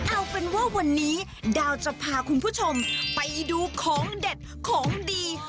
เอาเป็นว่าวันนี้ดาวจะพาคุณผู้ชมไปดูของเด็ดของดี